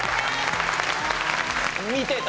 見てた？